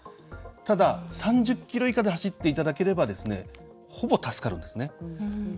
ただ、３０キロ以下で走っていただければほぼ助かるんですね。